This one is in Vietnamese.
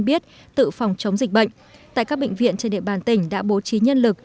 biết tự phòng chống dịch bệnh tại các bệnh viện trên địa bàn tỉnh đã bố trí nhân lực